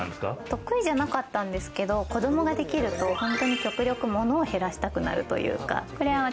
得意じゃなかったんですけど、子供ができると極力、物を減らしたいというか。